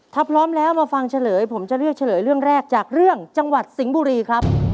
ถ้าพร้อมแล้วมาฟังเฉลยผมจะเลือกเฉลยเรื่องแรกจากเรื่องจังหวัดสิงห์บุรีครับ